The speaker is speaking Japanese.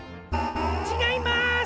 ちがいます！